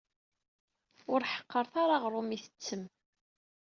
Ur ḥeqṛet ara aɣṛum i tettem.